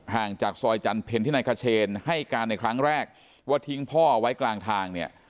ห่างจากซอยจันเพ็ญที่นายขเชนให้การในครั้งแรกว่าทิ้งพ่อเอาไว้กลางทางเนี่ย